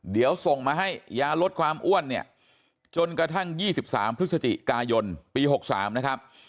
เดี๋ยวส่งมาให้ยาลดความอ้วนเนี่ยจนกระทั่ง๒๓พฤศจิกายนปี๖๓นะครับ